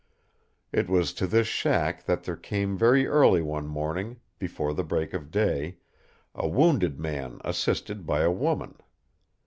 It was to this shack that there came very early one morning, before the break of day, a wounded man assisted by a woman.